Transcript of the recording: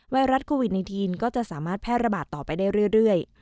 ไวรัสโควิด๑๙ก็จะสามารถแพร่ระบาดต่อไปได้เรื่อย